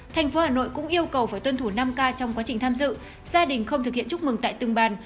tp hà nội cũng yêu cầu phải tuân thủ năm ca trong quá trình tham dự gia đình không thực hiện chúc mừng tại từng bàn